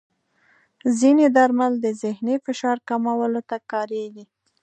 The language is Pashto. ځینې درمل د ذهني فشار کمولو ته کارېږي.